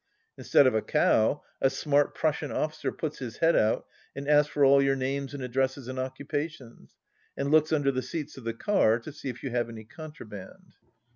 Instead of a cow, a smart Prussian officer puts his head out and asks for all your names and addresses and occupations, and looks under the seats of the car to see if you have any contraband.